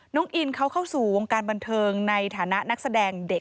น้องอินเขาเข้าสู่วงการบันเทิงในฐานะนักแสดงเด็ก